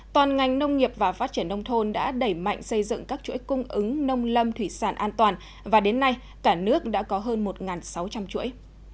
toàn ngành nông nghiệp và phát triển nông thôn đã đẩy mạnh xây dựng các chuỗi cung ứng nông lâm thủy sản an toàn và đến nay cả nước đã có hơn một sáu trăm linh chuỗi